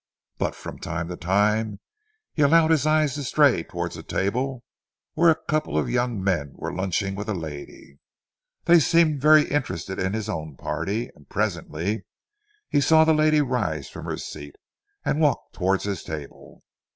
But from time to time, he allowed his eyes to stray towards a table where a couple of young men were lunching with a lady. They seemed very interested in his own party, and presently he saw the lady rise from her seat and walk towards his table.